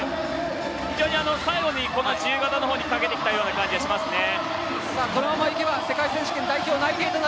非常に最後、自由形の方にかけてきた感じがしますね。